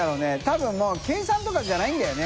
進發計算とかじゃないんだよね。